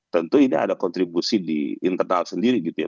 tentu ini ada kontribusi di internal sendiri gitu ya